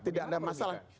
tidak ada masalah